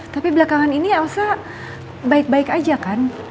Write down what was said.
tapi belakangan ini elsa baik baik aja kan